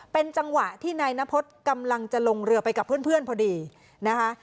เป็นจังหวะที่นายนพฤษกำลังจะลงเรือไปกับเพื่อนพอดีนะคะ